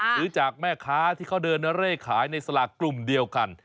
ซื้อจากแม่ค้าที่เขาเดินเร่ขายในสลากกลุ่มเดียวกัน